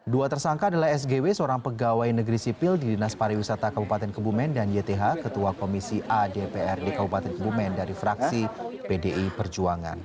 dua tersangka adalah sgw seorang pegawai negeri sipil di dinas pariwisata kabupaten kebumen dan yth ketua komisi adpr di kabupaten kebumen dari fraksi pdi perjuangan